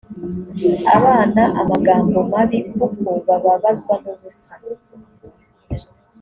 abana amagambo mabi kuko bababazwa n ubusa